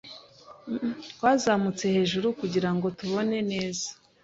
Twazamutse hejuru kugirango tubone neza.